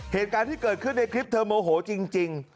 เหตุการณ์ที่เกิดขึ้นในคลิปเธอโมโหจริง